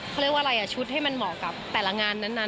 เขาเรียกว่าอะไรอ่ะชุดให้มันเหมาะกับแต่ละงานนั้น